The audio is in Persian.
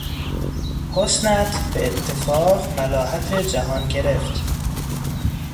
حسنت به اتفاق ملاحت جهان گرفت...